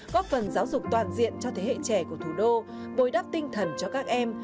góp phần giáo dục toàn diện cho thế hệ trẻ của thủ đô bồi đắp tinh thần cho các em